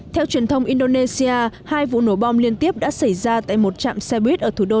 theo truyền thông indonesia hai vụ nổ bom liên tiếp đã xảy ra tại một trạm xe buýt ở thủ đô